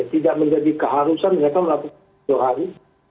tidak menjadi keharusan mereka melakukan jauh hari